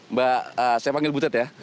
mbak saya panggil butet ya